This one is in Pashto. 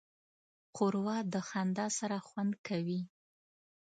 ښوروا د خندا سره خوند کوي.